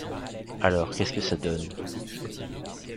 Alors qu’est-ce que ça donne?